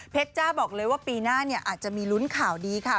จ้าบอกเลยว่าปีหน้าเนี่ยอาจจะมีลุ้นข่าวดีค่ะ